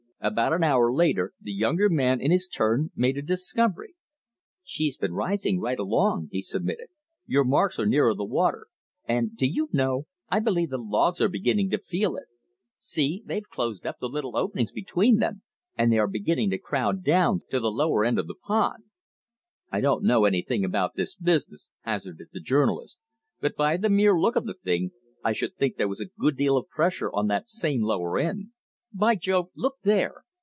About an hour later the younger man in his turn made a discovery. "She's been rising right along," he submitted. "Your marks are nearer the water, and, do you know, I believe the logs are beginning to feel it. See, they've closed up the little openings between them, and they are beginning to crowd down to the lower end of the pond." "I don't know anything about this business," hazarded the journalist, "but by the mere look of the thing I should think there was a good deal of pressure on that same lower end. By Jove, look there!